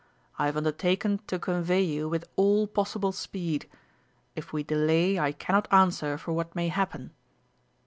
"I have undertaken to convey you with all possible speed. If we delay I cannot answer for what may happen."